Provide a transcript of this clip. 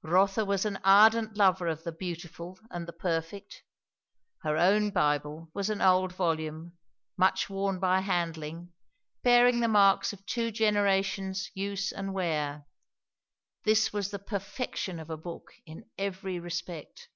Rotha was an ardent lover of the beautiful and the perfect; her own Bible was an old volume, much worn by handling, bearing the marks of two generations' use and wear; this was the perfection of a book in every respect.